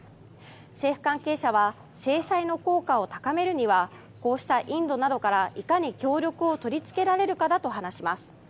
政府関係者は制裁の効果を高めるにはこうしたインドなどからいかに協力を取り付けられるかだと話します。